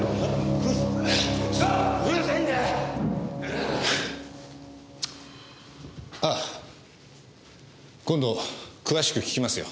あ今度詳しく聞きますよ。